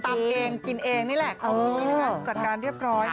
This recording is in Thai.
ก็คือตำเองกินเองนี่แหละของมินกันสัตว์การเรียบร้อย